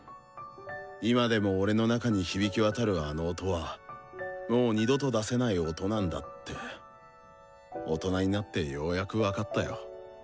今でも俺の中に響き渡るあの「音」はもう二度と出せない「音」なんだって大人になってようやく分かったよ。